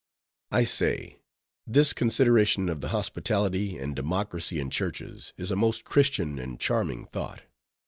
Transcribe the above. I say, this consideration of the hospitality and democracy in churches, is a most Christian and charming thought.